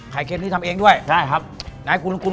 ไข่เค็มนี่ทำเองด้วยใช่ครับไหนคุณคุณคุณลอง